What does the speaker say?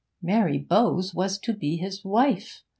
Mary Bowes was to be his wife!